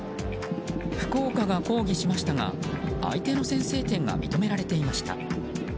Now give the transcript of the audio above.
福岡が抗議しましたが相手の先制点が認められていました。